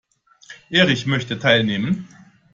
Erich möchte teilnehmen.